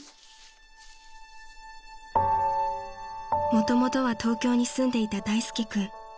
［もともとは東京に住んでいた大介君］